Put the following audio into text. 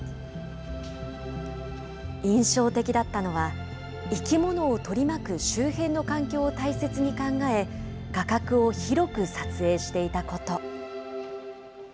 印象的だったのは、生き物を取り巻く周辺の環境を大切に考え、画角を広く撮影していたこと。